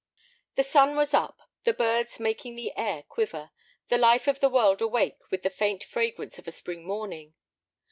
XLIX The sun was up, the birds making the air quiver, the life of the world awake with the faint fragrance of a spring morning.